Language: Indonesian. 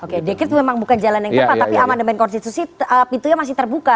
oke dekret memang bukan jalan yang tepat tapi amandemen konstitusi pintunya masih terbuka